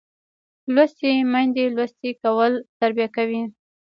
لوستې میندې لوستی کول تربیه کوي